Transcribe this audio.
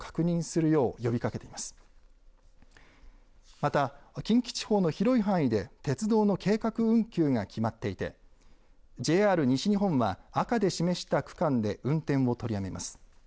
また近畿地方の広い範囲で鉄道の計画運休が決まっていてＪＲ西日本は赤で示した区間で運転を取りやめます。